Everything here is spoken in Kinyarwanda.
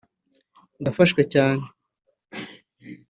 ndafashwe cyane